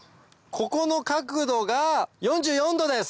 ここの角度が４４度です